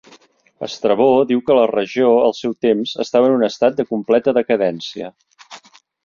Estrabó diu que la regió, al seu temps, estava en un estat de completa decadència.